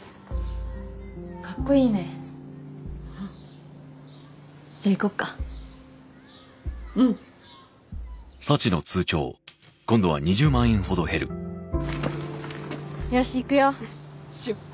かっこいいねうんじゃあ行こっかうんよしいくよ出発！